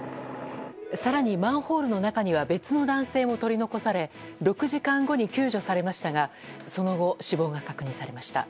更に、マンホールの中には別の男性も取り残され６時間後に救助されましたがその後、死亡が確認されました。